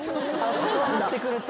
そうなってくると。